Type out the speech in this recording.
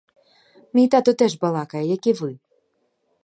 Мій тато теж балакає, як і ви.